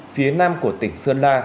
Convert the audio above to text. phía nam của tỉnh sơn la